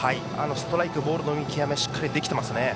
ストライク、ボールの見極めがしっかりできていますね。